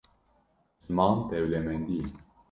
Ziman dewlemendî ye.